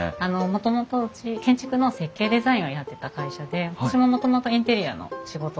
もともとうち建築の設計デザインをやってた会社で私ももともとインテリアの仕事をしてた者なんです。